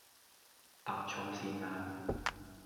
搭錯線呀